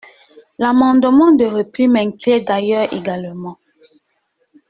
L’amendement de repli m’inquiète d’ailleurs également.